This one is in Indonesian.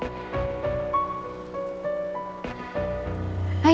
saya ingin proses pembahasan